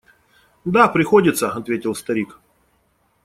– Да, приходится, – ответил старик.